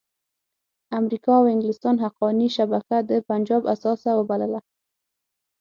امریکا او انګلستان حقاني شبکه د پنجاب اثاثه وبلله.